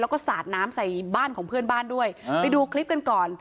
แล้วก็สาดน้ำใส่บ้านของเพื่อนบ้านด้วยไปดูคลิปกันก่อน